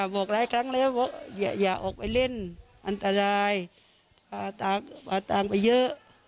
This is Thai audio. บอกหลายครั้งแล้วว่าอย่าออกไปเล่นอันตรายพาต่างไปเยอะ